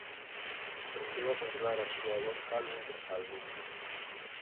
Aprendeu a controlar a súa voz álbum tras álbum.